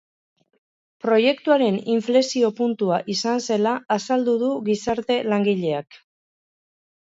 Proiektuaren inflexio puntua izan zela azaldu du gizarte langileak.